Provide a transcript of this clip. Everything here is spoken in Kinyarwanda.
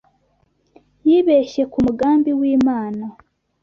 Yibeshye ku mugambi w’Imana